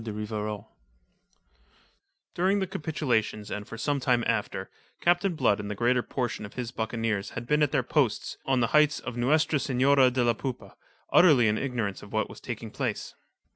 DE RIVAROL During the capitulation and for some time after, Captain Blood and the greater portion of his buccaneers had been at their post on the heights of Nuestra Senora de la Poupa, utterly in ignorance of what was taking place.